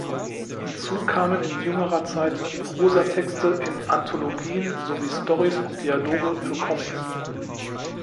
Hinzu kamen in jüngerer Zeit Prosatexte in Anthologien sowie Storys und Dialoge für Comics.